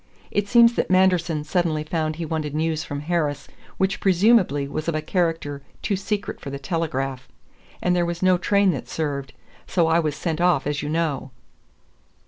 It seems that Manderson suddenly found he wanted news from Harris which presumably was of a character too secret for the telegraph; and there was no train that served; so I was sent off as you know."